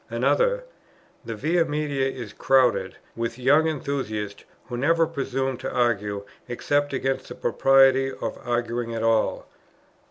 Another: "The Via Media is crowded with young enthusiasts, who never presume to argue, except against the propriety of arguing at all."